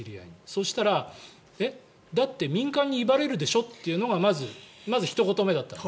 そしたらえっ、だって民間に威張れるでしょというのがまずひと言目だったの。